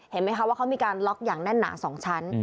เห็นไหมคะว่าเขามีการล็อกอย่างแน่นหนา๒ชั้น